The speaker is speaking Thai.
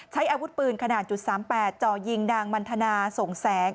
ใช้อาวุธปืนขนาด๓๘จ่อยิงนางมันทนาส่งแสง